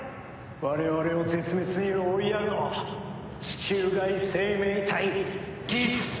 我々を絶滅に追いやるのは地球外生命体ギフ。